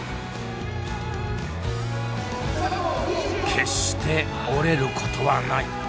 「決して折れることはない」。